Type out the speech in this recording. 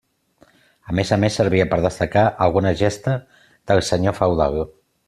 A més a més, servia per destacar alguna gesta del senyor feudal.